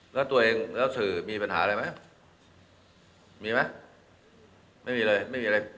แล้วตัวเองแล้วสื่อมีปัญหาอะไรไหมมีไหมไม่มีเลยไม่มีอะไร